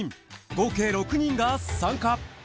合計６人が参加。